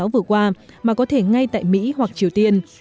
vừa qua mà có thể ngay tại mỹ hoặc triều tiên